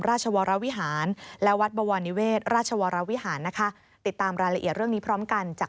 ราชวรวิหารและวัดบวรนิเวศราชวรวิหารนะคะติดตามรายละเอียดเรื่องนี้พร้อมกันจาก